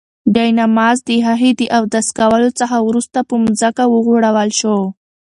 جاینماز د هغې د اودس کولو څخه وروسته په ځمکه وغوړول شو.